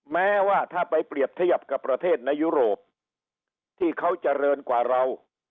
แม้ว่าถ้าไปเปรียบเทียบกับประเทศในยุโรปที่เขาเจริญกว่าเรา